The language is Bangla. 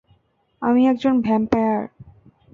আমি একজন ভ্যাম্পায়ার।